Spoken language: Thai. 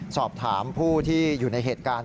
สอบถามผู้ที่อยู่ในเหตุการณ์